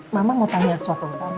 mama mau tanya suatu